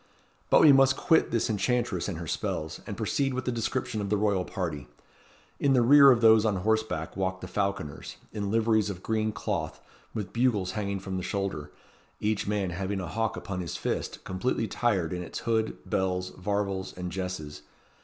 But we must quit this enchantress and her spells, and proceed with the description of the royal party. In the rear of those on horseback walked the falconers, in liveries of green cloth, with bugles hanging from the shoulder; each man having a hawk upon his fist, completely 'tired in its hood, bells, varvels, and jesses.